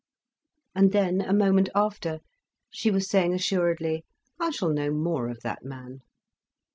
And then, a moment after, she was saying assuredly, "I shall know more of that man."